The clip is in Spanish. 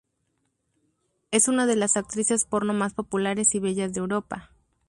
Es una de las actrices porno más populares y bellas de Europa.